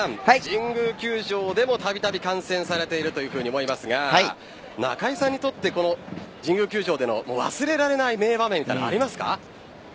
神宮球場でもたびたび観戦されているというふうに思いますが中居さんにとってこの神宮球場での忘れられない名場面ありますか？